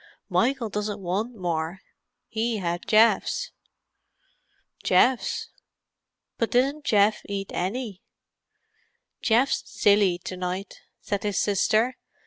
"Michael doesn't want more, he had Geoff's." "Geoff's? But didn't Geoff eat any?" "Geoff's silly to night," said his sister.